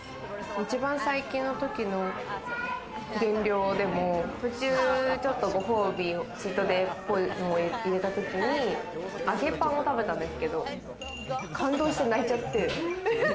一番最近の時の減量でも途中ちょっとご褒美をチートデイっぽいものを入れた時に、揚げパンを食べたんですけど、感動して泣いちゃって。